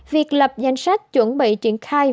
việc lập danh sách chuẩn bị triển khai